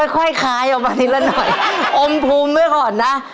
นี่ค่อยคล้ายออกมานิดละหน่อยอมภูมิเมื่อก่อนนะ